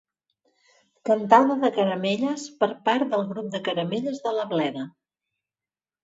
Cantada de caramelles per part del Grup de caramelles de la Bleda.